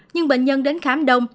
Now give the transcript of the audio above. nhưng bệnh nhân đến khám đông